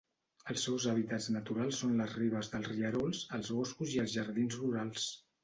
Els seus hàbitats naturals són les ribes dels rierols, els boscos i els jardins rurals.